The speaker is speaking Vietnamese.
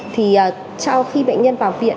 thì sau khi bệnh nhân vào viện